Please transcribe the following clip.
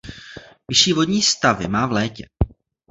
Vyšší vodní stavy má v létě.